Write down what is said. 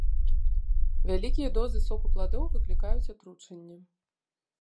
Вялікія дозы соку пладоў выклікаюць атручэнне.